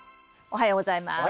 おはようございます。